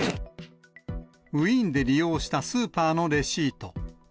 ウィーンで利用したスーパーのレシート。